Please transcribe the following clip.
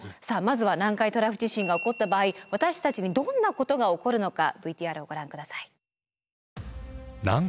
さあまずは南海トラフ地震が起こった場合私たちにどんなことが起こるのかＶＴＲをご覧下さい。